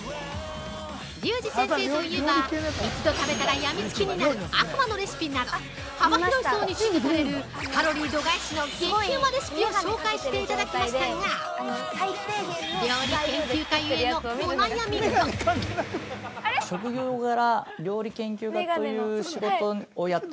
リュウジ先生といえば、一度食べたらやみつきになる悪魔のレシピなど、幅広い層に支持されるカロリー度外視の激ウマレシピを紹介していただきましたが◆料理研究家ゆえのお悩みが。